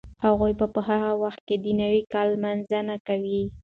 هغوی به په هغه وخت کې د نوي کال لمانځنه کوي.